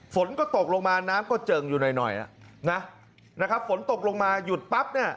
ฝนก็ตกลงมาน้ำก็เจิ่งอยู่หน่อยหน่อยนะนะครับฝนตกลงมาหยุดปั๊บเนี่ย